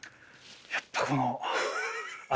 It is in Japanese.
やっぱこの。